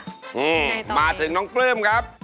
นี่มาถึงน้องปลื้มครับ